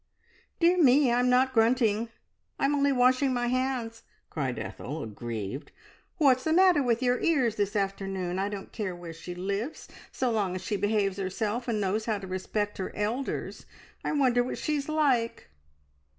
"Dear me, I'm not grunting, I'm only washing my hands," cried Ethel, aggrieved. "What's the matter with your ears this afternoon? I don't care where she lives, so long as she behaves herself, and knows how to respect her elders. I wonder what she is like!"